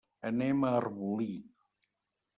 Anem a Arbolí.